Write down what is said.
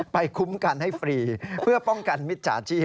คุ้มกันให้ฟรีเพื่อป้องกันมิจฉาชีพ